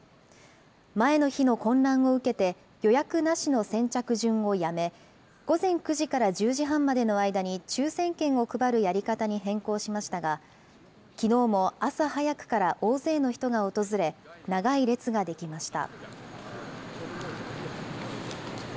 前の日の混乱を受けて、予約なしの先着順をやめ、午前９時から１０時半までの間に抽せん券を配るやり方に変更しましたが、きのうも朝早くから大勢の人が訪れ、長い列が出来ました。